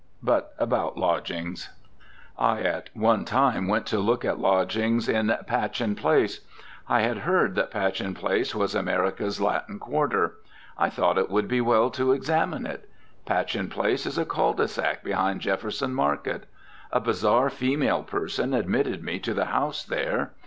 But about lodgings: I one time went to look at lodgings in Patchin Place. I had heard that Patchin Place was America's Latin Quarter. I thought it would be well to examine it. Patchin Place is a cul de sac behind Jefferson Market. A bizarre female person admitted me to the house there.